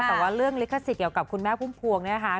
แต่ว่าเรื่องลิขสิทธิ์เกี่ยวกับคุณแม่พุ่มพวงเนี่ยนะคะ